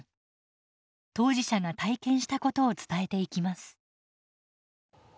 当事者が体験したことを伝えていきます。